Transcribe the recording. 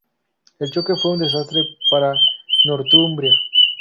El choque fue un desastre para Northumbria.